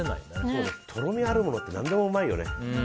とろみあるものって何でもうまいよね。